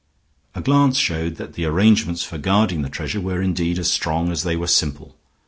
A glance showed that the arrangements for guarding the treasure were indeed as strong as they were simple.